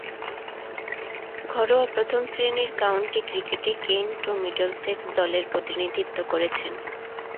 ঘরোয়া প্রথম-শ্রেণীর কাউন্টি ক্রিকেটে কেন্ট ও মিডলসেক্স দলের প্রতিনিধিত্ব করেছেন।